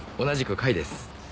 同じく甲斐です。